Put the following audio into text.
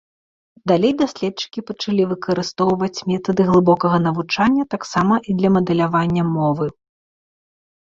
Далей даследчыкі пачалі выкарыстоўваць метады глыбокага навучання таксама і для мадэлявання мовы.